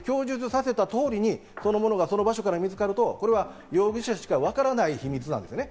させた通りにそのものがその場所から見つかると、容疑者しかわからない秘密なんですよね。